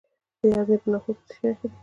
د غزني په ناهور کې د څه شي نښې شته؟